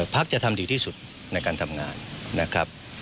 พักจะทำดีที่สุดในการทำงานนะครับ